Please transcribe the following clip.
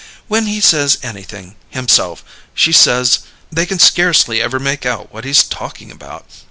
When he says anything, himself, she says they can scarcely ever make out what he's talking about.